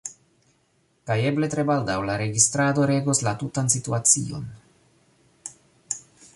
Kaj eble tre baldaŭ la registrado regos la tutan situacion